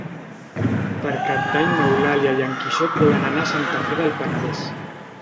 Per Cap d'Any n'Eulàlia i en Quixot volen anar a Santa Fe del Penedès.